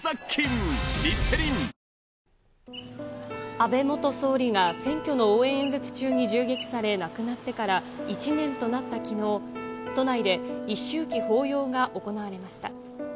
安倍元総理が選挙の応援演説中に銃撃され亡くなってから１年となったきのう、都内で一周忌法要が行われました。